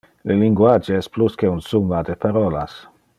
Le linguage es plus que un summa de parolas.